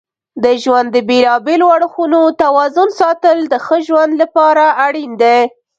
د ژوند د بیلابیلو اړخونو توازن ساتل د ښه ژوند لپاره اړین دي.